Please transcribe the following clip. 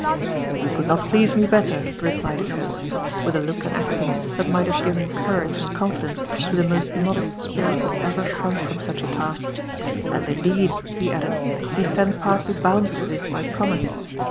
'' You could not please me better," replied his host, wi}h a look and accent that might have given courage and confidence to Ihe most mo dest spirit that ever shrunk from such a task ; "and indeed," he ad ded, " you stand partly bound to this by promise.